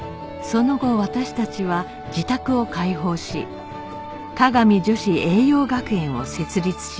その後私たちは自宅を開放し香美女子栄養学園を設立しました